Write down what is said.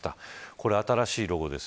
これが新しいロゴです。